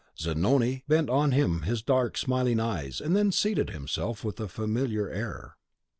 Zanoni bent on him his dark, smiling eyes, and then seated himself with a familiar air.